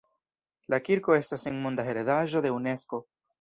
La kirko estas en Monda heredaĵo de Unesko.